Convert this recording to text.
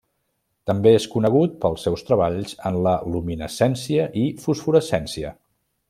També és conegut pels seus treballs en la luminescència i fosforescència.